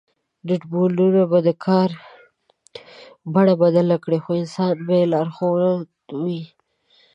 روباټونه به د کار بڼه بدله کړي، خو انسان به یې لارښود وي.